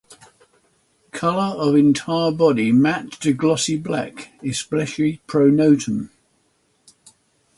Colour of entire body matte to glossy black (especially pronotum).